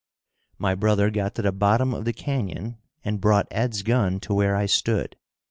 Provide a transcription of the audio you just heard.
My brother got to the bottom of the canyon and brought Ed's gun to where I stood.